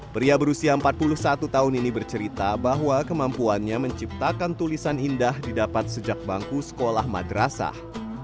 pria berusia empat puluh satu tahun ini bercerita bahwa kemampuannya menciptakan tulisan indah didapat sejak bangku sekolah madrasah